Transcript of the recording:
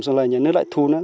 xong là nhà nước lại thu nữa